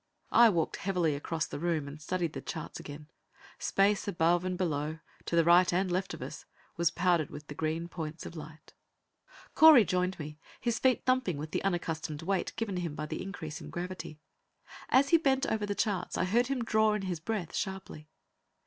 I walked heavily across the room and studied the charts again. Space above and below, to the right and the left of us, was powdered with the green points of light. Correy joined me, his feet thumping with the unaccustomed weight given him by the increase in gravity. As he bent over the charts, I heard him draw in his breath sharply.